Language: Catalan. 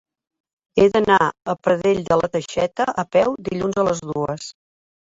He d'anar a Pradell de la Teixeta a peu dilluns a les dues.